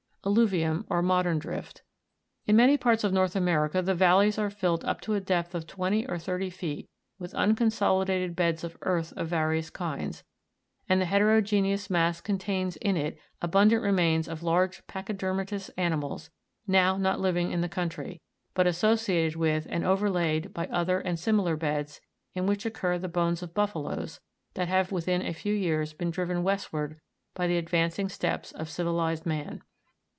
38. ALLU'VIUM, or MODERN DRIFT. In many parts of North America the valleys are filled up to a depth of twenty or thirty feet with unconsolidated beds of earth of various kinds, and the heteroge'neous mass contains in it abundant remains of large pachyde'rmatous animals, not now living in the country, but asso ciated with, and overlaid by other and similar beds, in which occur the bones of buffaloes, that have within a fe\v years been driven westward by the advancing steps of civilized man.